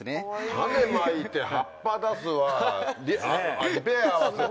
種まいて葉っぱ出すわリペアはする。